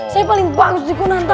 saya paling bagus di kunanta